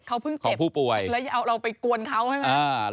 เดี๋ยวจะสงสัยว่าเขาเพิ่งเจ็บแล้วเอาเราไปกวนเขาใช่ไหม